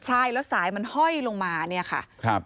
ใช่แล้วสายมันห้อยลงมาเนี่ยค่ะ